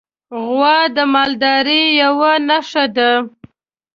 غوا د مالدارۍ یوه نښه ده.